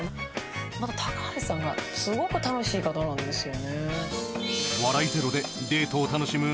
また高橋さんがすごく楽しい方なんですよ。